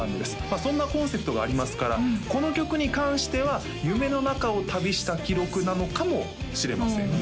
そんなコンセプトがありますからこの曲に関しては夢の中を旅した記録なのかもしれませんね